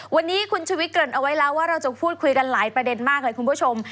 วันนี้คุณชุวิตเกริ่นเอาไว้แล้วว่าเราจะพูดคุยกันหลายประเด็นมากเลยคุณผู้ชม